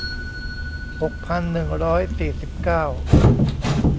หกพันหนึ่งร้อยสี่สิบเก้า